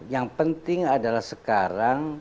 yang penting adalah sekarang